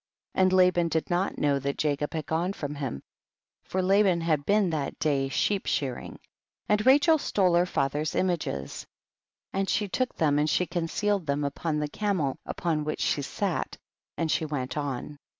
29. And Laban did not know that Jacob had gone from him, for La ban had been that day sheep shear ing. 40. And Rachel stole her father's images, and she took them and she concealed them upon the camel upon which she sat, and she went on.